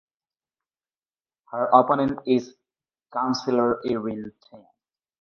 Her opponent is Councilor Irwin Tieng.